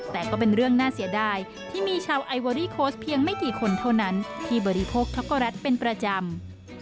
แต่ก็เป็นเรื่องน่าเสียดายที่มีชาวไอเวอรี่โค้ชเพียงไม่กี่คนเท่านั้นที่บริโภคท็อกโกแลตเป็นประจำ